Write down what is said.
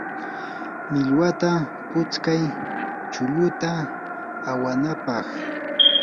millwata putskay chulluta awanapaq.